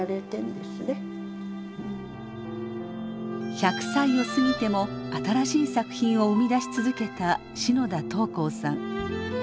１００歳を過ぎても新しい作品を生み出し続けた篠田桃紅さん。